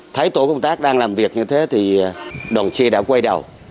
thấy tổ công tác đang làm việc như thế thì đoàn chi đã quay đầu